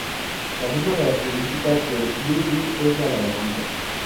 La firma característica del Ludwig es la lagartija.